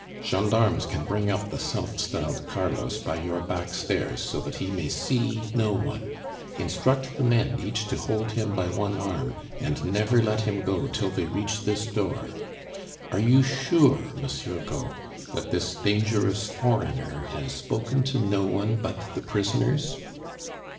Gendarmes can bring up the self styled Carlos by your back stairs so that he may see no one. Instruct the men each to hold him by one arm, and never let him go till they reach this door. "Are you sure, Monsieur Gault, that this dangerous foreigner has spoken to no one but the prisoners!"